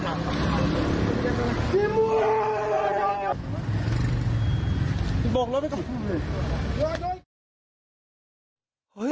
สิมูล